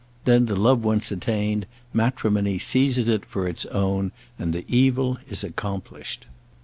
Then, the love once attained, matrimony seizes it for its own, and the evil is accomplished.